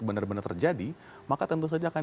benar benar terjadi maka tentu saja akan